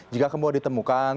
jika kamu mau ditemukan